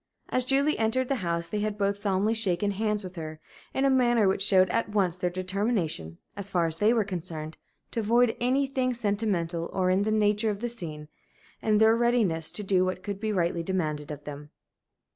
As Julie entered the house they had both solemnly shaken hands with her, in a manner which showed at once their determination, as far as they were concerned, to avoid anything sentimental or in the nature of a scene, and their readiness to do what could be rightly demanded of them.